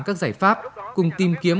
các giải pháp cùng tìm kiếm